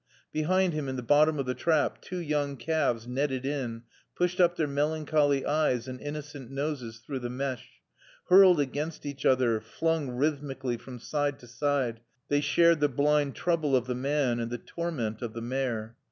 Behind him, in the bottom of the trap, two young calves, netted in, pushed up their melancholy eyes and innocent noses through the mesh. Hurled against each other, flung rhythmically from side to side, they shared the blind trouble of the man and the torment of the mare.